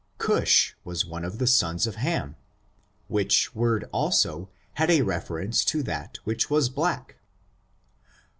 CusH was one of the sons of Ham, which word also had a reference to that which was black.